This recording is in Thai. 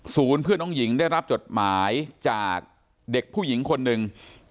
เพื่อนน้องหญิงได้รับจดหมายจากเด็กผู้หญิงคนหนึ่ง